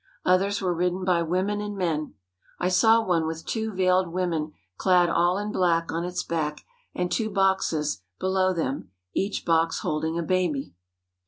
Others were ridden by women and men. I saw one with two veiled women clad all in black on its back and two boxes below them, each box holding a baby.